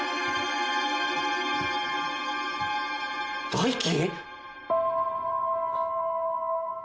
大樹！？